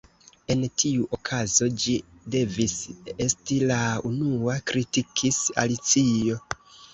"En tiu okazo, ĝi devis esti la unua," kritikis Alicio.